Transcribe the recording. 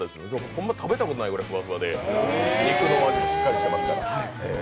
ホンマ食べたことないぐらいふわふわで、肉のお味しっかりしてますから。